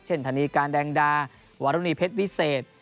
ธนีการแดงดาวรุณีเพชรวิเศษ